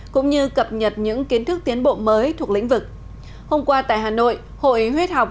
cũng như cập nhật những kiến thức tiến bộ mới thuộc lĩnh vực hôm qua tại hà nội hội huyết học